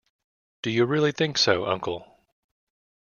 Do you really think so, uncle?